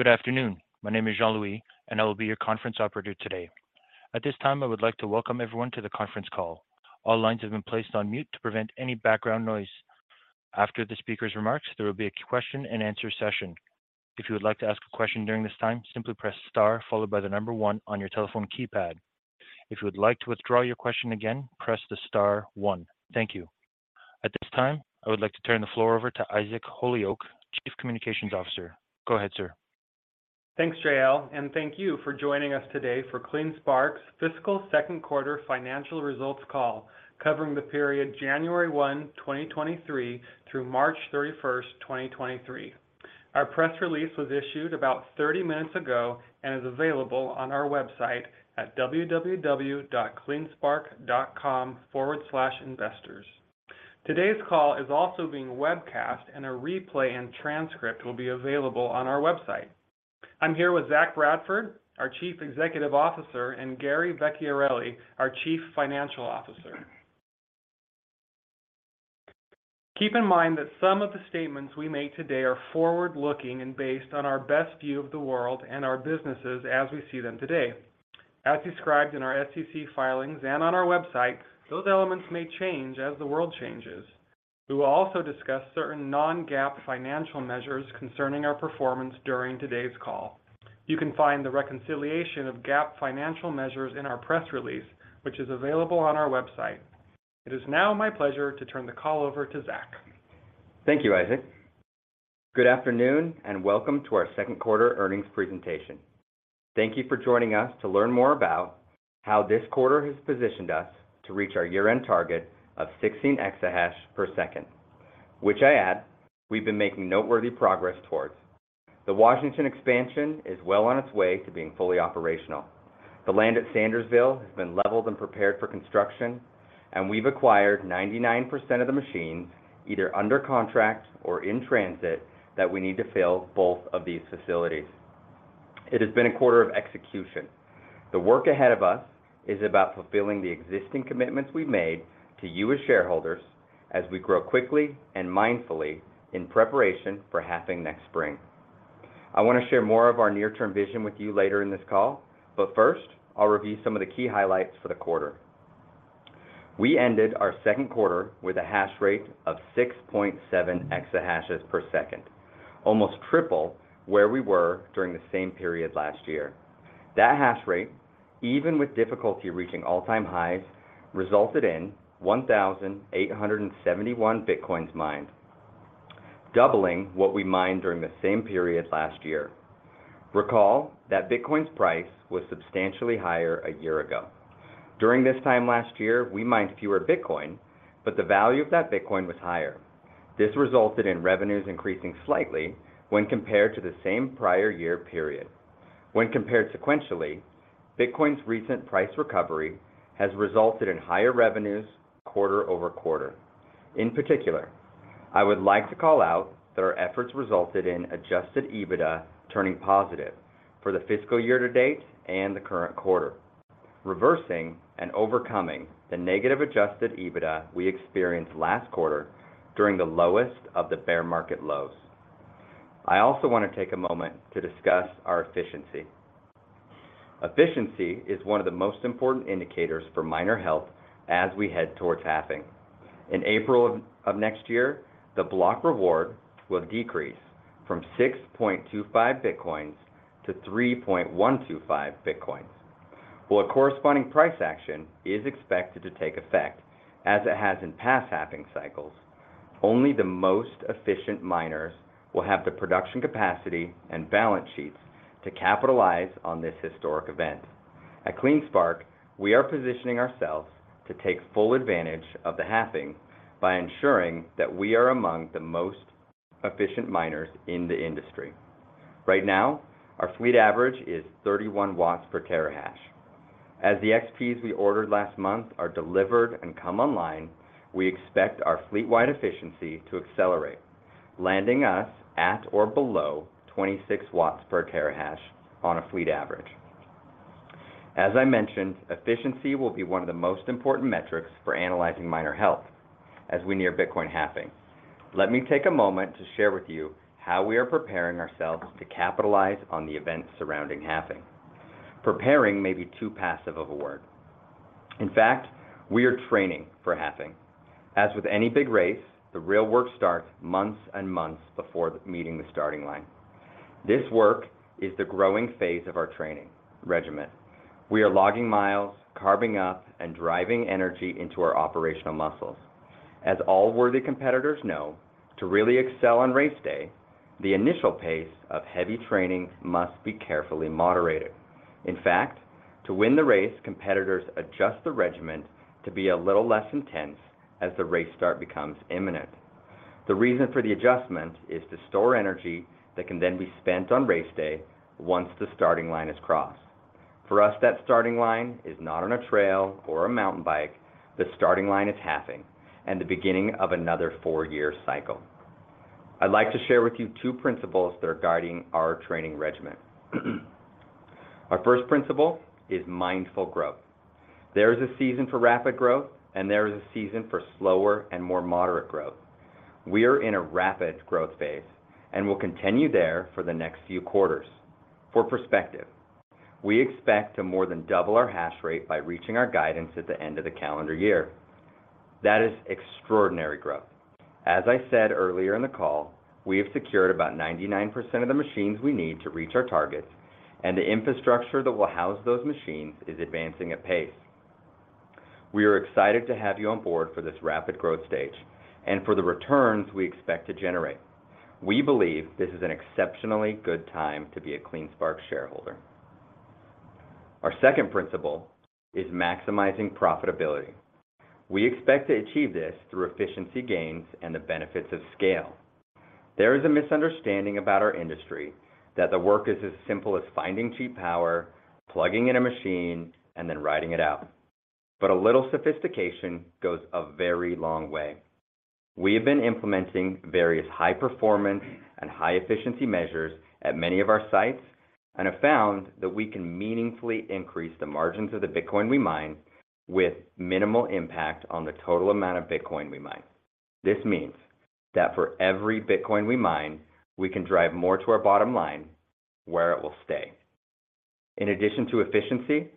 Good afternoon. My name is Jean-Louis, and I will be your conference operator today. At this time, I would like to welcome everyone to the conference call. All lines have been placed on mute to prevent any background noise. After the speaker's remarks, there will be a question and answer session. If you would like to ask a question during this time, simply press star followed by the number one on your telephone keypad. If you would like to withdraw your question again, press the star one. Thank you. At this time, I would like to turn the floor over to Isaac Holyoak, Chief Communications Officer. Go ahead, sir. Thanks, JL. Thank you for joining us today for CleanSpark's Fiscal Q2 Financial Results Call covering the period January 1, 2023 through March 31, 2023. Our press release was issued about 30 minutes ago and is available on our website at www.cleanspark.com/investors. Today's call is also being webcast, and a replay and transcript will be available on our website. I'm here with Zach Bradford, our Chief Executive Officer, and Gary Vecchiarelli, our Chief Financial Officer. Keep in mind that some of the statements we make today are forward-looking and based on our best view of the world and our businesses as we see them today. As described in our SEC filings and on our website, those elements may change as the world changes. We will also discuss certain non-GAAP financial measures concerning our performance during today's call. You can find the reconciliation of GAAP financial measures in our press release, which is available on our website. It is now my pleasure to turn the call over to Zach. Thank you, Isaac. Good afternoon and welcome to our Q2 earnings presentation. Thank you for joining us to learn more about how this quarter has positioned us to reach our year-end target of 16 exahash per second, which I add we've been making noteworthy progress towards. The Washington expansion is well on its way to being fully operational. The land at Sandersville has been leveled and prepared for construction, and we've acquired 99% of the machines either under contract or in transit that we need to fill both of these facilities. It has been a quarter of execution. The work ahead of us is about fulfilling the existing commitments we've made to you as shareholders as we grow quickly and mindfully in preparation for halving next spring. I want to share more of our near-term vision with you later in this call, but first, I'll review some of the key highlights for the quarter. We ended our Q2 with a hashrate of 6.7 exahashes per second, almost triple where we were during the same period last year. That hashrate, even with difficulty reaching all-time highs, resulted in 1,871 Bitcoins mined, doubling what we mined during the same period last year. Recall that Bitcoin's price was substantially higher a year ago. During this time last year, we mined fewer Bitcoin, but the value of that Bitcoin was higher. This resulted in revenues increasing slightly when compared to the same prior year period. When compared sequentially, Bitcoin's recent price recovery has resulted in higher revenues quarter-over-quarter. In particular, I would like to call out that our efforts resulted in Adjusted EBITDA turning positive for the fiscal year to date and the current quarter, reversing and overcoming the negative Adjusted EBITDA we experienced last quarter during the lowest of the bear market lows. I also want to take a moment to discuss our efficiency. Efficiency is one of the most important indicators for miner health as we head towards halving. In April of next year, the block reward will decrease from 6.25 Bitcoins to 3.125 Bitcoins. While a corresponding price action is expected to take effect as it has in past halving cycles, only the most efficient miners will have the production capacity and balance sheets to capitalize on this historic event. At CleanSpark, we are positioning ourselves to take full advantage of the halving by ensuring that we are among the most efficient miners in the industry. Right now, our fleet average is 31 W/TH. As the XPs we ordered last month are delivered and come online, we expect our fleet-wide efficiency to accelerate, landing us at or below 26 W/TH on a fleet average. I mentioned, efficiency will be one of the most important metrics for analyzing miner health as we near Bitcoin halving. Let me take a moment to share with you how we are preparing ourselves to capitalize on the events surrounding halving. Preparing may be too passive of a word. In fact, we are training for halving. With any big race, the real work starts months and months before meeting the starting line. This work is the growing phase of our training regimen. We are logging miles, carbing up, and driving energy into our operational muscles. As all worthy competitors know, to really excel on race day, the initial pace of heavy training must be carefully moderated. In fact, to win the race, competitors adjust the regimen to be a little less intense as the race start becomes imminent. The reason for the adjustment is to store energy that can then be spent on race day once the starting line is crossed. For us, that starting line is not on a trail or a mountain bike. The starting line is halving and the beginning of another four-year cycle. I'd like to share with you two principles that are guiding our training regimen. Our first principle is mindful growth. There is a season for rapid growth and there is a season for slower and more moderate growth. We are in a rapid growth phase and will continue there for the next few quarters. For perspective, we expect to more than double our hashrate by reaching our guidance at the end of the calendar year. That is extraordinary growth. As I said earlier in the call, we have secured about 99% of the machines we need to reach our targets, and the infrastructure that will house those machines is advancing at pace. We are excited to have you on board for this rapid growth stage and for the returns we expect to generate. We believe this is an exceptionally good time to be a CleanSpark shareholder. Our second principle is maximizing profitability. We expect to achieve this through efficiency gains and the benefits of scale. There is a misunderstanding about our industry that the work is as simple as finding cheap power, plugging in a machine, and then riding it out. A little sophistication goes a very long way. We have been implementing various high-performance and high-efficiency measures at many of our sites and have found that we can meaningfully increase the margins of the Bitcoin we mine with minimal impact on the total amount of Bitcoin we mine. This means that for every Bitcoin we mine, we can drive more to our bottom line where it will stay. In addition to efficiency,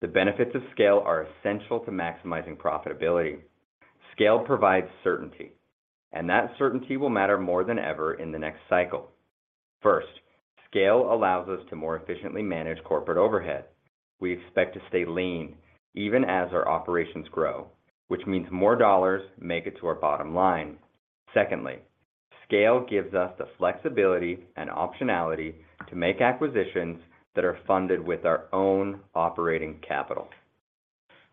the benefits of scale are essential to maximizing profitability. Scale provides certainty, and that certainty will matter more than ever in the next cycle. First, scale allows us to more efficiently manage corporate overhead. We expect to stay lean even as our operations grow, which means more dollars make it to our bottom line. Scale gives us the flexibility and optionality to make acquisitions that are funded with our own operating capital.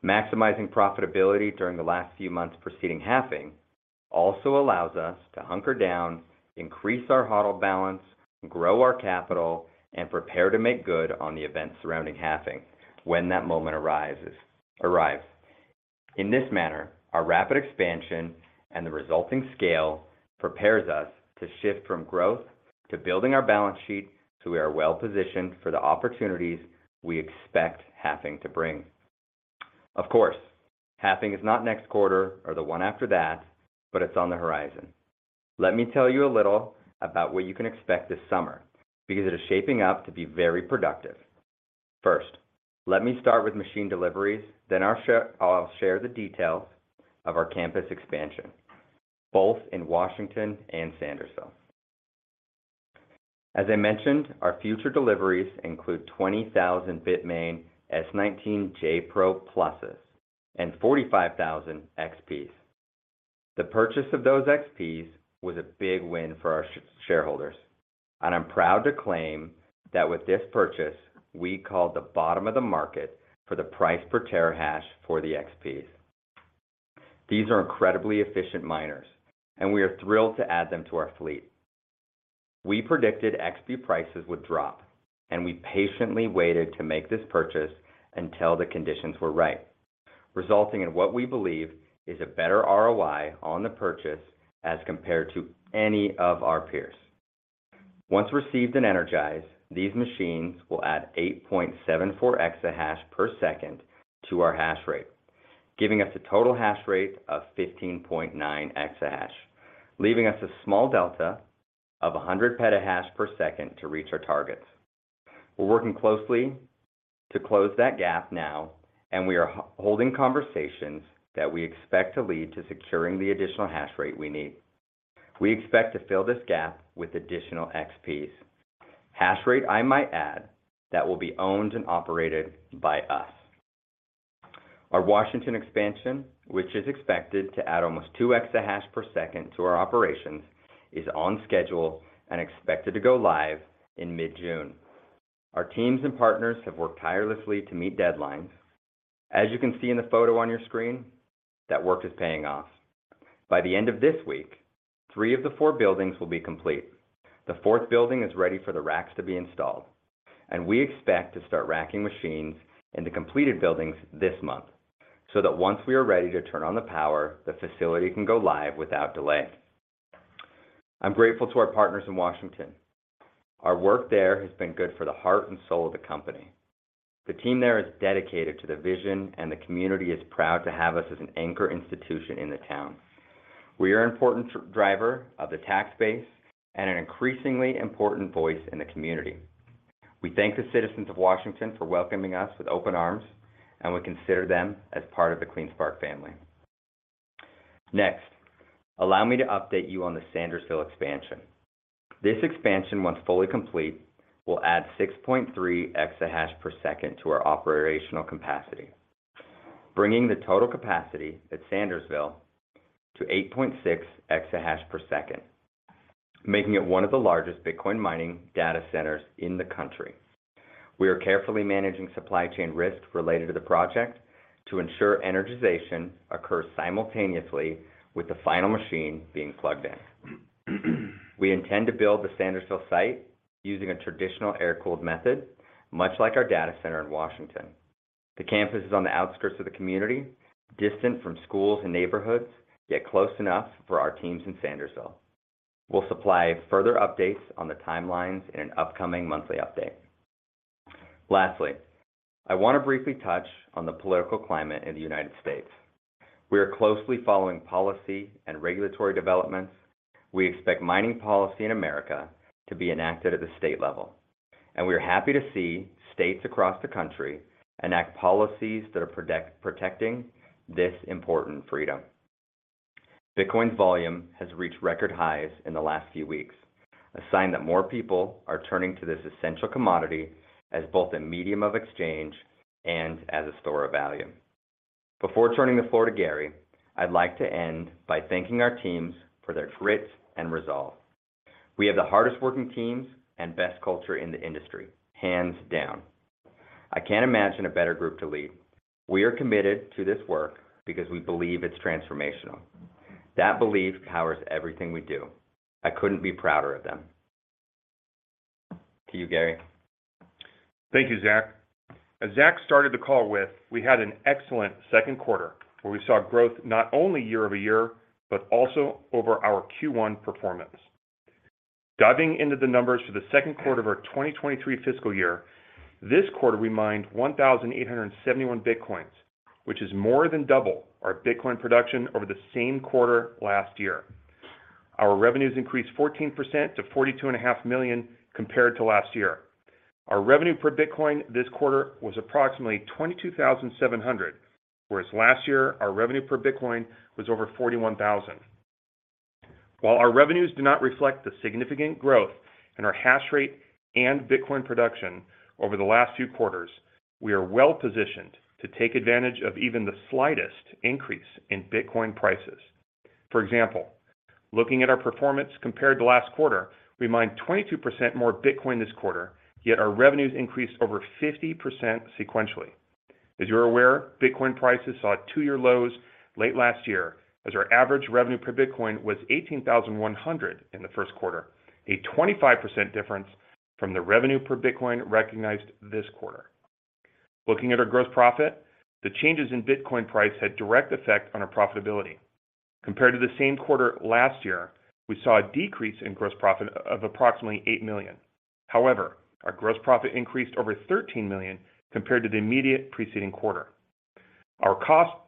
Maximizing profitability during the last few months preceding halving also allows us to hunker down, increase our HODL balance, grow our capital, and prepare to make good on the events surrounding halving when that moment arrives. In this manner, our rapid expansion and the resulting scale prepares us to shift from growth to building our balance sheet. We are well-positioned for the opportunities we expect halving to bring. Of course, halving is not next quarter or the one after that. It's on the horizon. Let me tell you a little about what you can expect this summer because it is shaping up to be very productive. Let me start with machine deliveries, I'll share the details of our campus expansion, both in Washington and Sandersville. As I mentioned, our future deliveries include 20,000 Bitmain S19j Pro+s and 45,000 XPs. The purchase of those XPs was a big win for our shareholders, I'm proud to claim that with this purchase, we called the bottom of the market for the price per terahash for the XPs. These are incredibly efficient miners, we are thrilled to add them to our fleet. We predicted XP prices would drop, we patiently waited to make this purchase until the conditions were right, resulting in what we believe is a better ROI on the purchase as compared to any of our peers. Once received and energized, these machines will add 8.74 TH/s to our hash rate, giving us a total hash rate of 15.9 EH/s, leaving us a small delta of 100 PH/s to reach our targets. We're working closely to close that gap now. We are holding conversations that we expect to lead to securing the additional hash rate we need. We expect to fill this gap with additional XPs. Hash rate, I might add, that will be owned and operated by us. Our Washington expansion, which is expected to add almost 2 EH/s to our operations, is on schedule and expected to go live in mid-June. Our teams and partners have worked tirelessly to meet deadlines. As you can see in the photo on your screen, that work is paying off. By the end of this week, three of the four buildings will be complete. The fourth building is ready for the racks to be installed, and we expect to start racking machines in the completed buildings this month so that once we are ready to turn on the power, the facility can go live without delay. I'm grateful to our partners in Washington. Our work there has been good for the heart and soul of the company. The team there is dedicated to the vision, and the community is proud to have us as an anchor institution in the town. We are an important driver of the tax base and an increasingly important voice in the community. We thank the citizens of Washington for welcoming us with open arms, and we consider them as part of the CleanSpark family. Allow me to update you on the Sandersville expansion. This expansion, once fully complete, will add 6.3 EH/s to our operational capacity, bringing the total capacity at Sandersville to 8.6 EH/s, making it one of the largest Bitcoin mining data centers in the country. We are carefully managing supply chain risks related to the project to ensure energization occurs simultaneously with the final machine being plugged in. We intend to build the Sandersville site using a traditional air-cooled method, much like our data center in Washington. The campus is on the outskirts of the community, distant from schools and neighborhoods, yet close enough for our teams in Sandersville. We'll supply further updates on the timelines in an upcoming monthly update. Lastly, I want to briefly touch on the political climate in the United States. We are closely following policy and regulatory developments. We expect mining policy in America to be enacted at the state level. We are happy to see states across the country enact policies that are protecting this important freedom. Bitcoin's volume has reached record highs in the last few weeks, a sign that more people are turning to this essential commodity as both a medium of exchange and as a store of value. Before turning the floor to Gary, I'd like to end by thanking our teams for their grit and resolve. We have the hardest-working teams and best culture in the industry, hands down. I can't imagine a better group to lead. We are committed to this work because we believe it's transformational. That belief powers everything we do. I couldn't be prouder of them. To you, Gary. Thank you, Zach. As Zach started the call with, we had an excellent Q2 where we saw growth not only year-over-year, but also over our Q1 performance. Diving into the numbers for the Q2 of our 2023 fiscal year, this quarter, we mined 1,871 bitcoins, which is more than double our Bitcoin production over the same quarter last year. Our revenues increased 14% to $42.5 million compared to last year. Our revenue per bitcoin this quarter was approximately $22,700, whereas last year our revenue per bitcoin was over $41,000. While our revenues do not reflect the significant growth in our hash rate and Bitcoin production over the last 2 quarters, we are well positioned to take advantage of even the slightest increase in Bitcoin prices. For example, looking at our performance compared to last quarter, we mined 22% more Bitcoin this quarter, yet our revenues increased over 50% sequentially. As you're aware, Bitcoin prices saw two-year lows late last year as our average revenue per Bitcoin was $18,100 in the Q1, a 25% difference from the revenue per Bitcoin recognized this quarter. Looking at our gross profit, the changes in Bitcoin price had direct effect on our profitability. Compared to the same quarter last year, we saw a decrease in gross profit of approximately $8 million. However, our gross profit increased over $13 million compared to the immediate preceding quarter. Our cost per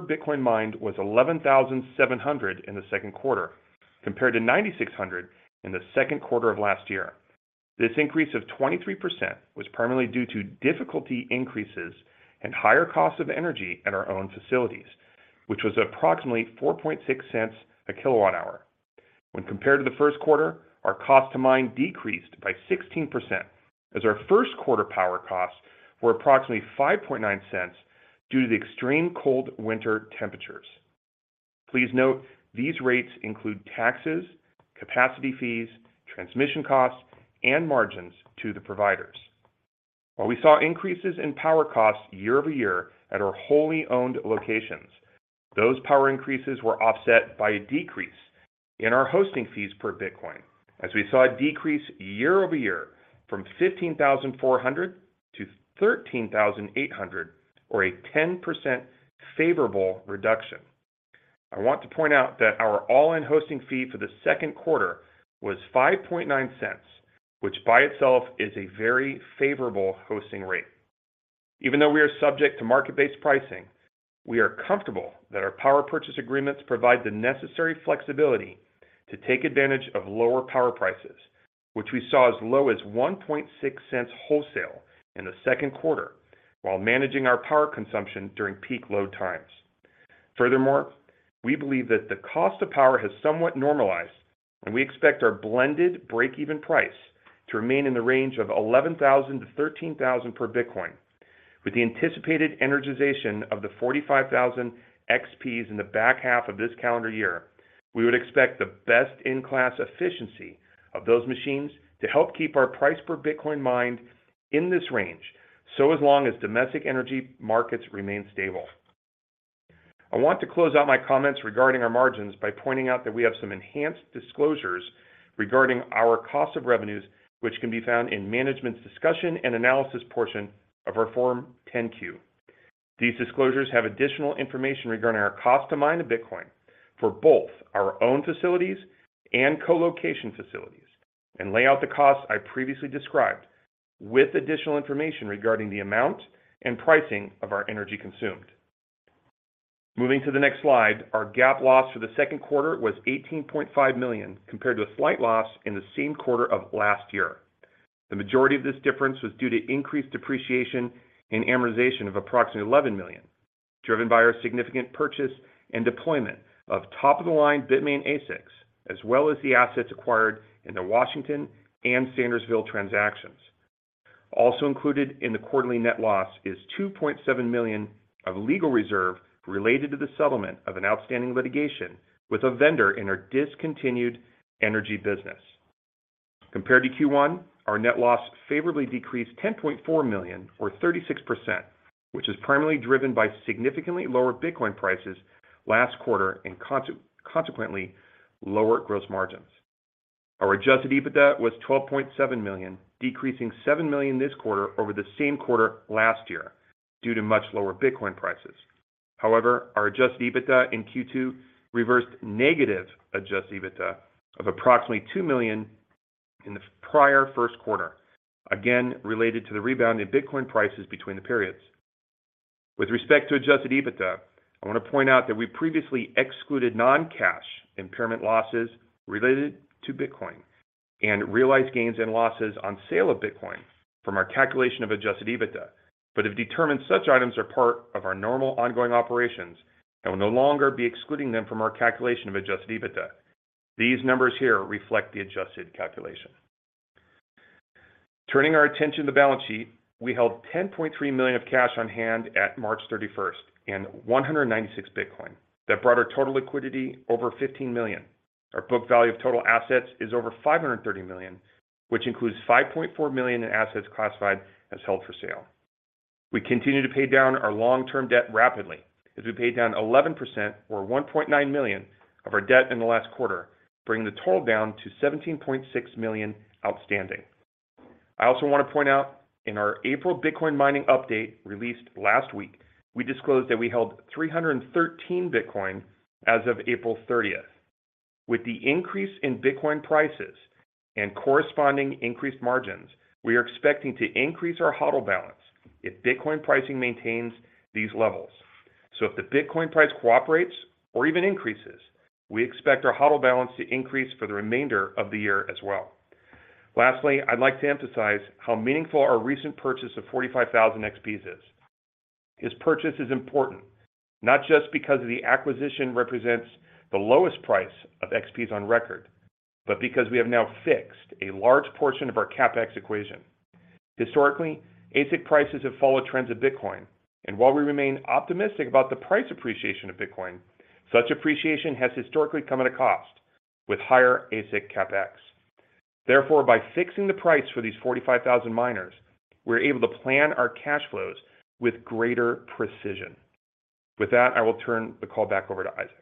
Bitcoin mined was $11,700 in the Q2 compared to $9,600 in the Q2 of last year. This increase of 23% was primarily due to difficulty increases and higher costs of energy at our own facilities, which was approximately $0.046 a kilowatt-hour. When compared to the Q1, our cost to mine decreased by 16% as our Q1 power costs were approximately $0.059 due to the extreme cold winter temperatures. Please note these rates include taxes, capacity fees, transmission costs, and margins to the providers. While we saw increases in power costs year-over-year at our wholly owned locations, those power increases were offset by a decrease in our hosting fees per Bitcoin as we saw a decrease year-over-year from $15,400 to $13,800, or a 10% favorable reduction. I want to point out that our all-in hosting fee for the Q2 was $0.059, which by itself is a very favorable hosting rate. Even though we are subject to market-based pricing, we are comfortable that our power purchase agreements provide the necessary flexibility to take advantage of lower power prices, which we saw as low as $0.016 wholesale in the Q2 while managing our power consumption during peak load times. Furthermore, we believe that the cost of power has somewhat normalized, and we expect our blended break-even price to remain in the range of $11,000-$13,000 per Bitcoin. With the anticipated energization of the 45,000 XPs in the back half of this calendar year, we would expect the best-in-class efficiency of those machines to help keep our price per Bitcoin mined in this range so as long as domestic energy markets remain stable. I want to close out my comments regarding our margins by pointing out that we have some enhanced disclosures regarding our cost of revenues, which can be found in management's discussion and analysis portion of our Form 10-Q. These disclosures have additional information regarding our cost to mine a Bitcoin for both our own facilities and co-location facilities and lay out the costs I previously described with additional information regarding the amount and pricing of our energy consumed. Moving to the next slide, our GAAP loss for the Q2 was $18.5 million, compared to a slight loss in the same quarter of last year. The majority of this difference was due to increased depreciation and amortization of approximately $11 million, driven by our significant purchase and deployment of top of the line Bitmain ASICs, as well as the assets acquired in the Washington and Sandersville transactions. Included in the quarterly net loss is $2.7 million of legal reserve related to the settlement of an outstanding litigation with a vendor in our discontinued energy business. Compared to Q1, our net loss favorably decreased $10.4 million or 36%, which is primarily driven by significantly lower Bitcoin prices last quarter and consequently lower gross margins. Our Adjusted EBITDA was $12.7 million, decreasing $7 million this quarter over the same quarter last year due to much lower Bitcoin prices. Our Adjusted EBITDA in Q2 reversed negative Adjusted EBITDA of approximately $2 million in the prior Q1, again related to the rebound in Bitcoin prices between the periods. With respect to Adjusted EBITDA, I want to point out that we previously excluded non-cash impairment losses related to Bitcoin and realized gains and losses on sale of Bitcoin from our calculation of Adjusted EBITDA, but have determined such items are part of our normal ongoing operations and will no longer be excluding them from our calculation of Adjusted EBITDA. These numbers here reflect the adjusted calculation. Turning our attention to the balance sheet, we held $10.3 million of cash on hand at March 31st and 196 Bitcoin. That brought our total liquidity over $15 million. Our book value of total assets is over $530 million, which includes $5.4 million in assets classified as held for sale. We continue to pay down our long-term debt rapidly as we paid down 11% or $1.9 million of our debt in the last quarter, bringing the total down to $17.6 million outstanding. I also want to point out in our April Bitcoin mining update released last week, we disclosed that we held 313 Bitcoin as of April 30th. With the increase in Bitcoin prices and corresponding increased margins, we are expecting to increase our HODL balance if Bitcoin pricing maintains these levels. If the Bitcoin price cooperates or even increases, we expect our HODL balance to increase for the remainder of the year as well. Lastly, I'd like to emphasize how meaningful our recent purchase of 45,000 XPs is. This purchase is important not just because the acquisition represents the lowest price of XPs on record, but because we have now fixed a large portion of our CapEx equation. Historically, ASIC prices have followed trends of Bitcoin, and while we remain optimistic about the price appreciation of Bitcoin, such appreciation has historically come at a cost with higher ASIC CapEx. Therefore, by fixing the price for these 45,000 miners, we're able to plan our cash flows with greater precision. With that, I will turn the call back over to Isaac.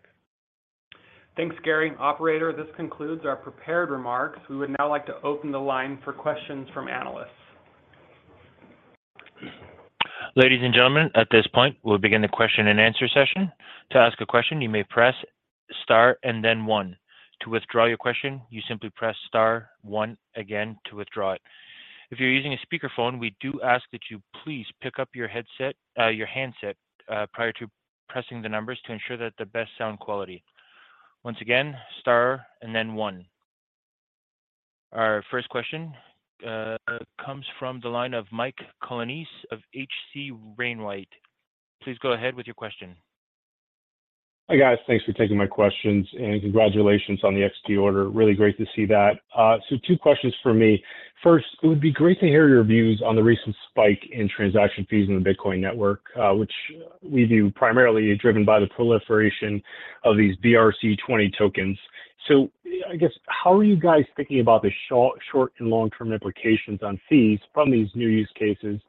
Thanks, Gary. Operator, this concludes our prepared remarks. We would now like to open the line for questions from analysts. Ladies and gentlemen, at this point, we'll begin the question and answer session. To ask a question, you may press star and then one. To withdraw your question, you simply press star one again to withdraw it. If you're using a speakerphone, we do ask that you please pick up your headset, your handset, prior to pressing the numbers to ensure that the best sound quality. Once again, star and then one. Our first question comes from the line of Mike Colonnese of HC Wainwright. Please go ahead with your question. Hi, guys. Thanks for taking my questions, and congratulations on the XT order. Really great to see that. Two questions for me. First, it would be great to hear your views on the recent spike in transaction fees in the Bitcoin network, which we view primarily driven by the proliferation of these BRC-20 tokens. I guess how are you guys thinking about the short- and long-term implications on fees from these new use cases,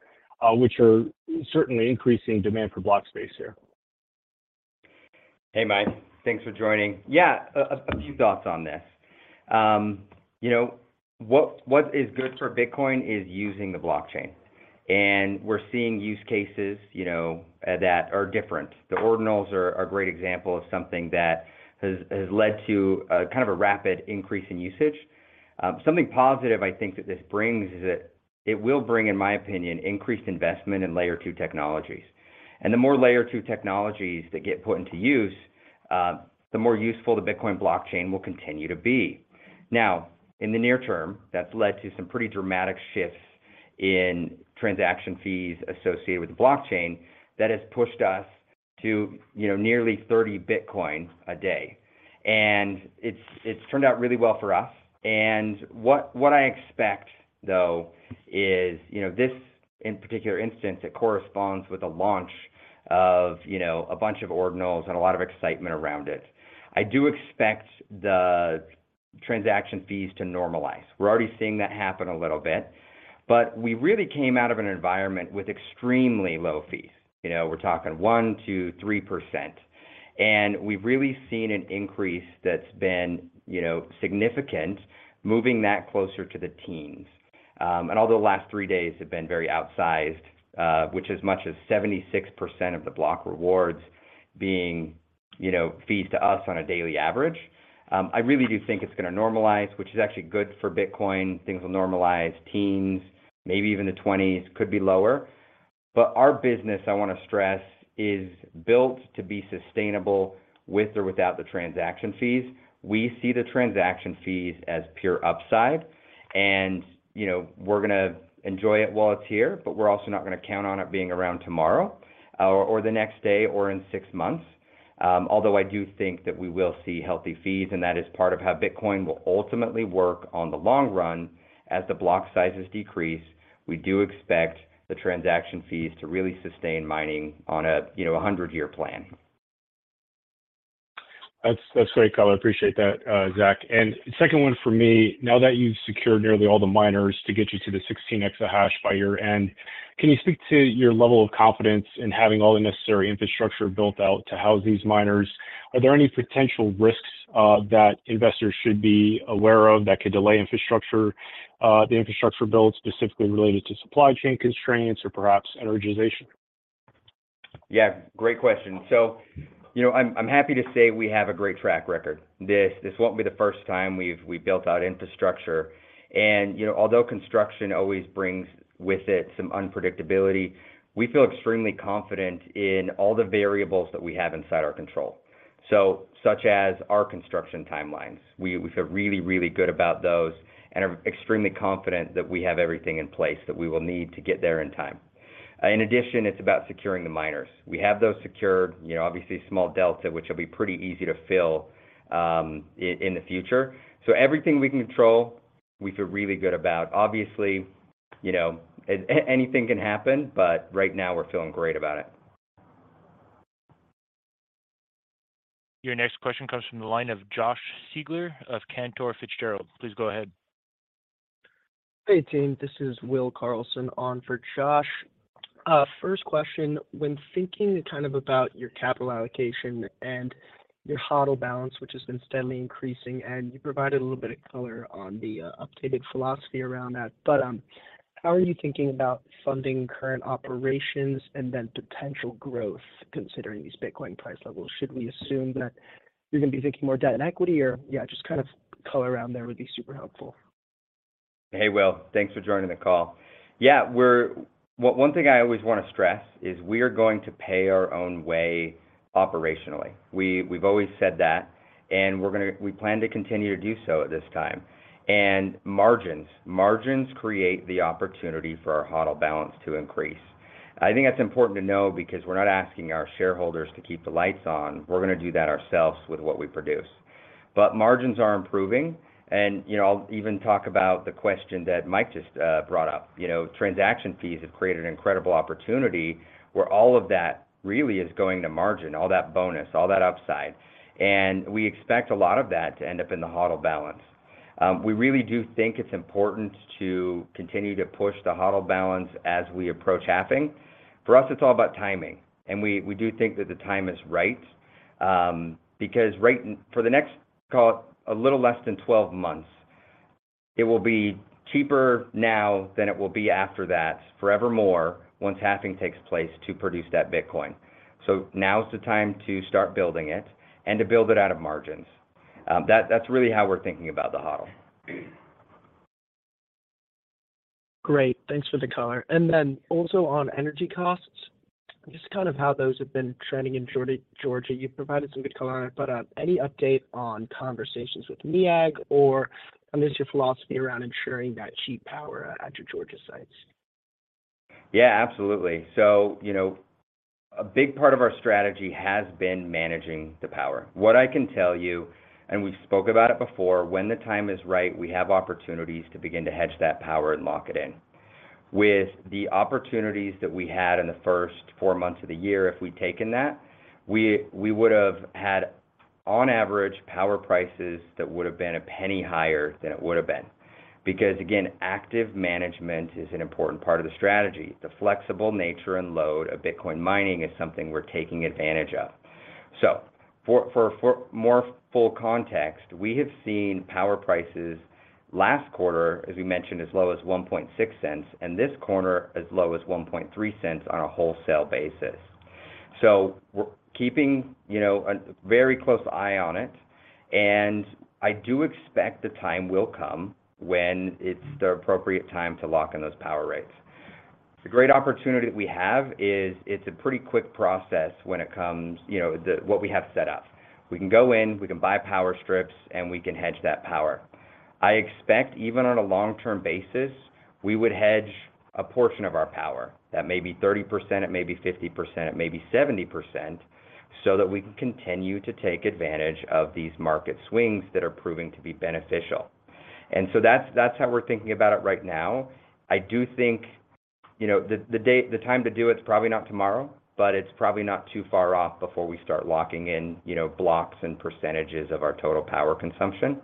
which are certainly increasing demand for block space here? Hey, Mike. Thanks for joining. Yeah, a few thoughts on this. You know, what is good for Bitcoin is using the blockchain, and we're seeing use cases, you know, that are different. The ordinals are a great example of something that has led to a kind of a rapid increase in usage. Something positive I think that this brings is that it will bring, in my opinion, increased investment in layer two technologies. The more layer two technologies that get put into use, the more useful the Bitcoin blockchain will continue to be. Now, in the near term, that's led to some pretty dramatic shifts in transaction fees associated with the blockchain that has pushed us to, you know, nearly 30 Bitcoin a day. It's, it's turned out really well for us. What I expect though is, you know, this in particular instance, it corresponds with the launch of, you know, a bunch of ordinals and a lot of excitement around it. I do expect the transaction fees to normalize. We're already seeing that happen a little bit, but we really came out of an environment with extremely low fees. You know, we're talking 1%-3%, we've really seen an increase that's been, you know, significant moving that closer to the teens. Although the last three days have been very outsized, which as much as 76% of the block rewards being, you know, fees to us on a daily average, I really do think it's gonna normalize, which is actually good for Bitcoin. Things will normalize, teens, maybe even the twenties, could be lower. Our business, I wanna stress, is built to be sustainable with or without the transaction fees. We see the transaction fees as pure upside and, you know, we're gonna enjoy it while it's here, but we're also not gonna count on it being around tomorrow, or the next day or in six months. Although I do think that we will see healthy fees, and that is part of how Bitcoin will ultimately work on the long run. As the block sizes decrease, we do expect the transaction fees to really sustain mining on a, you know, a 100-year plan. That's great, Gary. I appreciate that, Zach. Second one for me. Now that you've secured nearly all the miners to get you to the 16 exahash by year-end Can you speak to your level of confidence in having all the necessary infrastructure built out to house these miners? Are there any potential risks that investors should be aware of that could delay infrastructure, the infrastructure build specifically related to supply chain constraints or perhaps energization? Yeah, great question. You know, I'm happy to say we have a great track record. This won't be the first time we've built out infrastructure and, you know, although construction always brings with it some unpredictability, we feel extremely confident in all the variables that we have inside our control. Such as our construction timelines, we feel really good about those and are extremely confident that we have everything in place that we will need to get there in time. In addition, it's about securing the miners. We have those secured, you know, obviously small delta, which will be pretty easy to fill in the future. Everything we control, we feel really good about. Obviously, you know, anything can happen, but right now we're feeling great about it. Your next question comes from the line of Josh Siegler of Cantor Fitzgerald. Please go ahead. Hey team, this is Will Carlson on for Josh. First question, when thinking kind of about your capital allocation and your HODL balance, which has been steadily increasing, and you provided a little bit of color on the updated philosophy around that. How are you thinking about funding current operations and then potential growth considering these Bitcoin price levels? Should we assume that you're going to be thinking more debt and equity or, yeah, just kind of color around there would be super helpful. Hey, Will. Thanks for joining the call. Yeah, one thing I always want to stress is we are going to pay our own way operationally. We've always said that, and we plan to continue to do so at this time. Margins. Margins create the opportunity for our HODL balance to increase. I think that's important to know because we're not asking our shareholders to keep the lights on. We're going to do that ourselves with what we produce. Margins are improving. You know, I'll even talk about the question that Mike just brought up. You know, transaction fees have created an incredible opportunity where all of that really is going to margin, all that bonus, all that upside. We expect a lot of that to end up in the HODL balance. We really do think it's important to continue to push the HODL balance as we approach halving. For us, it's all about timing. We do think that the time is right because for the next, call it a little less than 12 months, it will be cheaper now than it will be after that forevermore once halving takes place to produce that Bitcoin. Now is the time to start building it and to build it out of margins. That's really how we're thinking about the HODL. Great. Thanks for the color. Then also on energy costs, just kind of how those have been trending in Georgia. You've provided some good color on it, but, any update on conversations with MEAG or, I mean, just your philosophy around ensuring that cheap power at your Georgia sites? Yeah, absolutely. You know, a big part of our strategy has been managing the power. What I can tell you, and we've spoken about it before, when the time is right, we have opportunities to begin to hedge that power and lock it in. With the opportunities that we had in the first four months of the year, if we'd taken that, we would have had on average power prices that would have been $0.01 higher than it would have been. Again, active management is an important part of the strategy. The flexible nature and load of Bitcoin mining is something we're taking advantage of. For more full context, we have seen power prices last quarter, as we mentioned, as low as $0.016, and this quarter as low as $0.013 on a wholesale basis. We're keeping, you know, a very close eye on it, and I do expect the time will come when it's the appropriate time to lock in those power rates. The great opportunity we have is it's a pretty quick process when it comes, you know, what we have set up. We can go in, we can buy power strips, and we can hedge that power. I expect even on a long-term basis, we would hedge a portion of our power. That may be 30%, it may be 50%, it may be 70%, so that we can continue to take advantage of these market swings that are proving to be beneficial. That's how we're thinking about it right now. I do think, you know, the date, the time to do it is probably not tomorrow, but it's probably not too far off before we start locking in, you know, blocks and percentages of our total power consumption.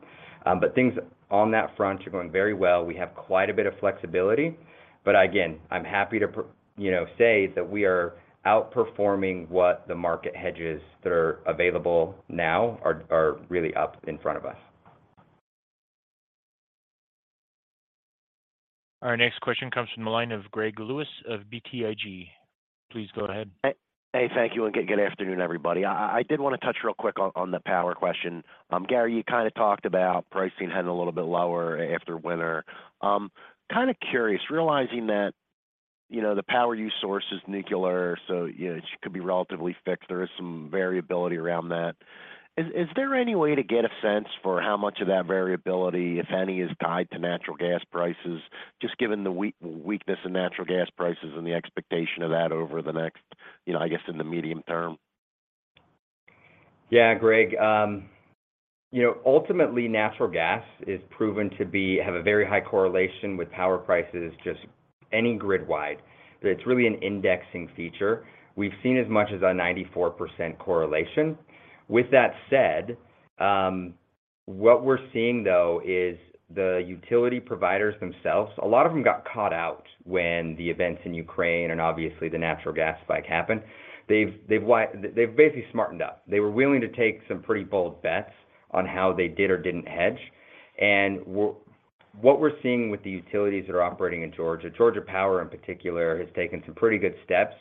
Things on that front are going very well. We have quite a bit of flexibility. Again, I'm happy to you know, say that we are outperforming what the market hedges that are available now are really up in front of us. Our next question comes from the line of Greg Lewis of BTIG. Please go ahead. Hey, thank you, and good afternoon, everybody. I did want to touch real quick on the power question. Gary, you kind of talked about pricing heading a little bit lower after winter. Kind of curious, realizing that, you know, the power you source is nuclear, so, you know, it could be relatively fixed. There is some variability around that. Is there any way to get a sense for how much of that variability, if any, is tied to natural gas prices? Just given the weakness in natural gas prices and the expectation of that over the next, you know, I guess in the medium term. Yeah, Greg. You know, ultimately, natural gas is proven to have a very high correlation with power prices, just any grid-wide. It's really an indexing feature. We've seen as much as a 94% correlation. With that said, what we're seeing, though, is the utility providers themselves, a lot of them got caught out when the events in Ukraine and obviously the natural gas spike happened. They've basically smartened up. They were willing to take some pretty bold bets on how they did or didn't hedge. What we're seeing with the utilities that are operating in Georgia Power in particular, has taken some pretty good steps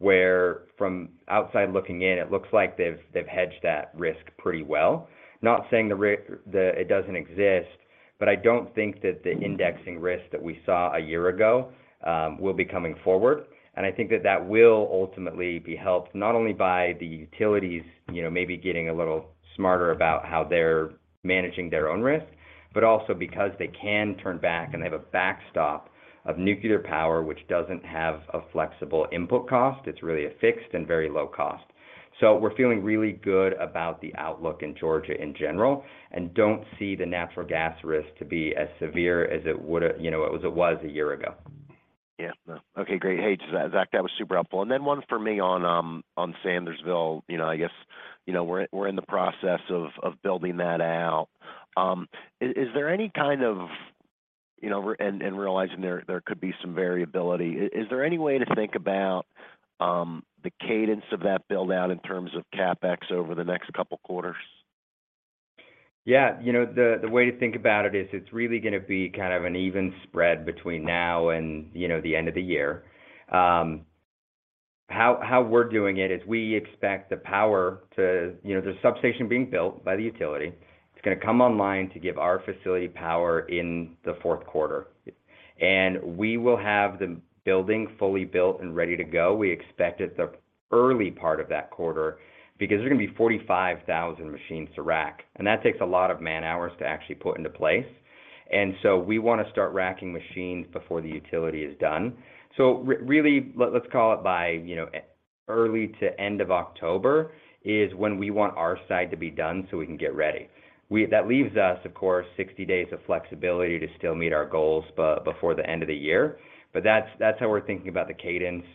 where from outside looking in, it looks like they've hedged that risk pretty well. Not saying that it doesn't exist, but I don't think that the indexing risk that we saw a year ago, will be coming forward. I think that that will ultimately be helped not only by the utilities, you know, maybe getting a little smarter about how they're managing their own risk, but also because they can turn back and they have a backstop of nuclear power, which doesn't have a flexible input cost. It's really a fixed and very low cost. We're feeling really good about the outlook in Georgia in general and don't see the natural gas risk to be as severe as it would've, you know, as it was a year ago. Yeah. No. Okay, great. Hey, Zach, that was super helpful. One for me on Sandersville. You know, I guess, you know, we're in the process of building that out. Is there any kind of, you know, and realizing there could be some variability. Is there any way to think about the cadence of that build-out in terms of CapEx over the next couple quarters? Yeah. You know, the way to think about it is it's really gonna be kind of an even spread between now and, you know, the end of the year. How we're doing it is we expect the power to... You know, there's a substation being built by the utility. It's gonna come online to give our facility power in the fourth quarter. We will have the building fully built and ready to go. We expect it the early part of that quarter because there's gonna be 45,000 machines to rack, and that takes a lot of man-hours to actually put into place. So we wanna start racking machines before the utility is done. Really, let's call it by, you know, early to end of October is when we want our side to be done so we can get ready. We... That leaves us, of course, 60 days of flexibility to still meet our goals before the end of the year. That's how we're thinking about the cadence.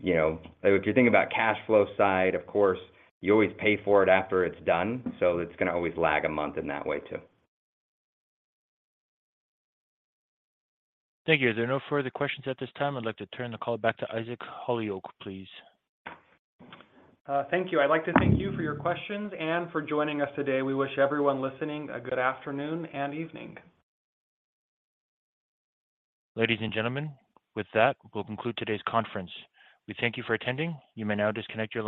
You know, if you're thinking about cash flow side, of course, you always pay for it after it's done, so it's gonna always lag a month in that way, too. Thank you. There are no further questions at this time. I'd like to turn the call back to Isaac Holyoak, please. Thank you. I'd like to thank you for your questions and for joining us today. We wish everyone listening a good afternoon and evening. Ladies and gentlemen, with that, we'll conclude today's conference. We thank you for attending. You may now disconnect your line.